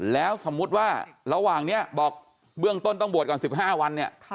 แล้วสมมุติว่าระหว่างนี้บอกเบื้องต้นต้องบวชก่อน๑๕วันเนี่ย